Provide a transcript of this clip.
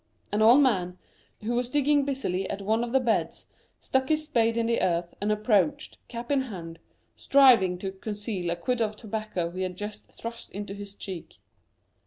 An old man, who was digging busily at one of the beds, stuck his spade in the earth, and approached, cap in hand, striving to conceal a quid of tobacco he had just thrust into his cheek.